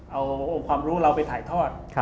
เอาองค์ความรู้เราไปถ่ายทอด